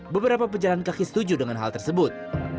beberapa pejalan kaki setuju dengan hal tersebut